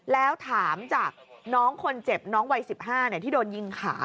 แล้วถามจากน้องคนเจ็บน้องวัย๑๕ที่โดนยิงขา